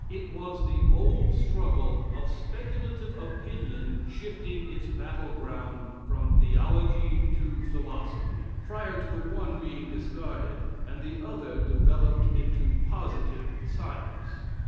It was the old struggle of speculative opinion shifting its battle ground from theology to philosophy, prior to the one being discarded, and the other developed into positive science.